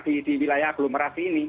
di wilayah aglomerasi ini